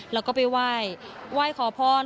แล้วก็ไปไหว้ไหว้ขอพร